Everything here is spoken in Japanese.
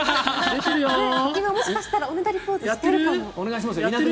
今もしかしたらおねだりポーズしてるかも。